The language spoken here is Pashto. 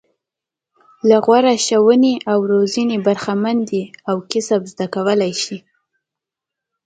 له غوره ښوونې او روزنې برخمن دي او کسب زده کولای شي.